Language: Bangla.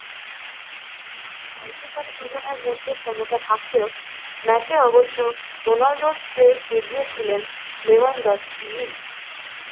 টাইব্রেকারে দুজনের মধ্যে সমতা থাকলেও, ম্যাচে অবশ্য রোনালদোর চেয়ে এগিয়ে ছিলেন লেভানডফস্কিই।